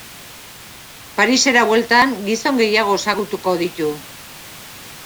Parisera bueltan, gizon gehiago ezagutuko ditu.